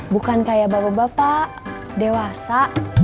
bukan kayak bapak bapak dewasa